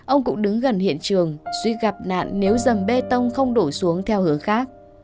ông cũng đứng gần hiện trường duy gặp nạn nếu dầm bê tông không đổ xuống theo hướng khác